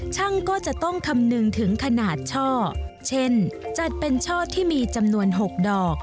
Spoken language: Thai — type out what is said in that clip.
ช่างก็จะต้องคำนึงถึงขนาดช่อเช่นจัดเป็นช่อที่มีจำนวน๖ดอก